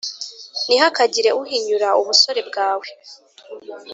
ntihakagire uhinyura ubusore bwa we